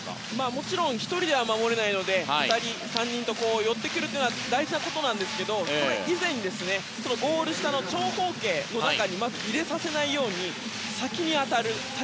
もちろん１人では守れないので２人、３人と寄ってくるのが大事なことなんですけどそれ以前にゴール下の長方形の中にまず入れさせないように先に当たる。